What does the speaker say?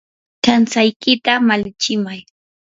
kamtsaykita malichimay.